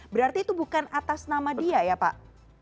berarti itu bukan atas nama dia ya pak